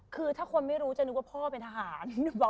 คือถ้าคนไม่รู้จะนึกว่าพ่อเป็นทหาร